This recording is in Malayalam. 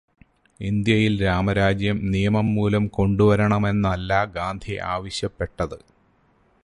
ഇന്ത്യയില് രാമരാജ്യം നിയമം മൂലം കൊണ്ടുവരണമെന്നല്ല ഗാന്ധി ആവശ്യപ്പെട്ടത്.